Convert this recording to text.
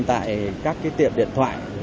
tại các tiệm điện thoại